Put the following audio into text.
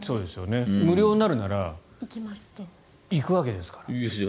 無料になるなら行くわけですから。